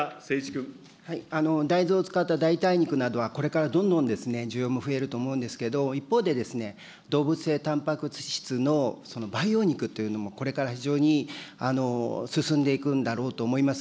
大豆を使った代替肉などはこれからどんどん需要も増えると思うんですけれども、一方で、動物性たんぱく質の培養肉というものも、これから非常に進んでいくんだろうと思います。